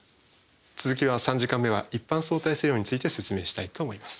続きは３時間目は一般相対性理論について説明したいと思います。